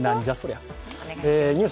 ニュース